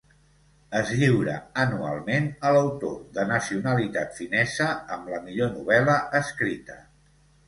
Es lliura anualment a l'autor de nacionalitat finesa amb la millor novel·la escrita.